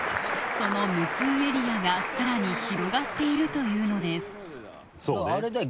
その無痛エリアがさらに広がっているというのですあれだよ